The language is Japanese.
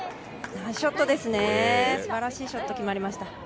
ナイスショットですね、すばらしいショット決まりました。